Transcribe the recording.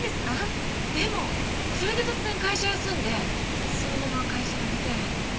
でもそれで突然会社休んでそのまま会社辞めて。